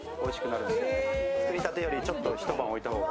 作りたてよりちょっと一晩おいたほうが。